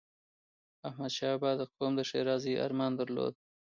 احمدشاه بابا د قوم د ښېرازی ارمان درلود.